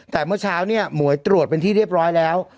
แต่เมื่อเช้าเนี่ยหมวยตรวจเป็นที่เรียบร้อยแล้ว